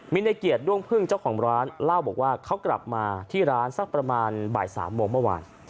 มีในเกียรติด้วงพึ่งเจ้าของร้านเล่าบอกว่าเขากลับมาที่ร้านสักประมาณบ่าย๓โมงเมื่อวาน